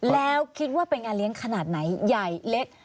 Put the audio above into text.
แล้วคิดว่าเป็นงานเลี้ยงขนาดไหนใหญ่เล็ก